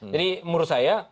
jadi menurut saya